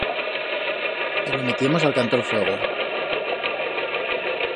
E lo metiemos a'l canto el fuego.